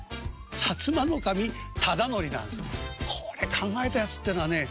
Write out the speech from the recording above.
摩守忠これ考えたやつっていうのはね